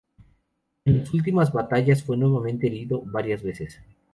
En las últimas batallas fue nuevamente herido varias veces.